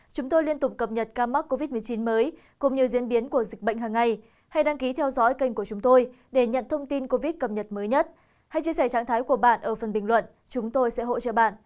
các bạn hãy đăng ký kênh để ủng hộ kênh của chúng mình nhé